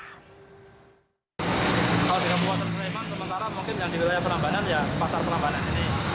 kalau kita membuat sleman sementara mungkin yang di wilayah prambanan ya pasar prambanan ini